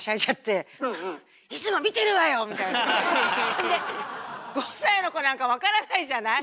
ほんで５歳の子なんか分からないじゃない？